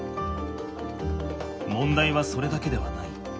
問題はそれだけではない。